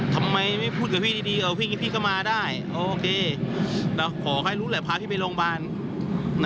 ทำไมไม่พูดกับพี่ดีพี่ก็มาได้โอเคเราขอให้รู้แหละพาพี่ไปโรงพยาบาล